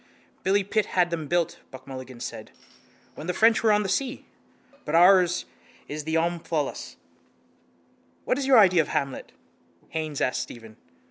—Billy Pitt had them built, Buck Mulligan said, when the French were on the sea. But ours is the omphalos. —What is your idea of Hamlet? Haines asked Stephen.